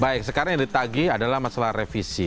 baik sekarang yang ditagi adalah masalah revisi